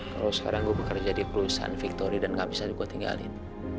kalau sekarang gue bekerja di perusahaan victory dan gak bisa gue tinggalin